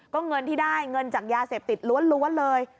ก็เงินที่ได้เงินจากยาเสพติดล้วนเลย